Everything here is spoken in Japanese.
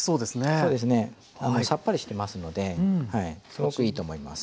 そうですねさっぱりしてますのですごくいいと思います。